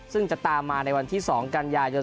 ซึ่งจะตามมาในวันที่๒กันยายน